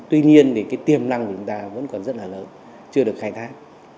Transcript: tuy nhiên thì cái tiềm năng của chúng ta vẫn còn rất là lớn chưa được khai thác